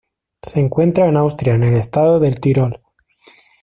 Se encuentra en Austria en el estado del Tirol.